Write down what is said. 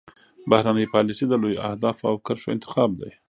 بهرنۍ پالیسي د لویو اهدافو او کرښو انتخاب دی